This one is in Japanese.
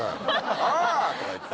「ア！」とか言って。